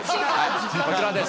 こちらです。